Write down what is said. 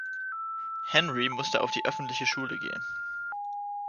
Henry musste auf die öffentliche Schule gehen.